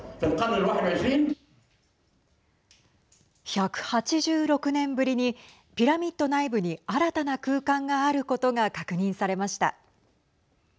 １８６年ぶりにピラミッド内部に新たな空間があることが確認されました。